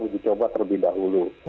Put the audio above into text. uji coba terlebih dahulu